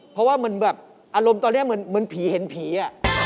เพราะว่าเหมือนแบบอารมณ์ตอนนี้เหมือนผีเห็นผี